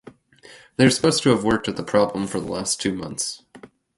They are supposed to have worked at the problem for the last two months.